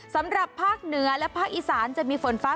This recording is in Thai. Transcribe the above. สำหรับภาคเหนือและภาคอีสานจะมีฝนฟ้า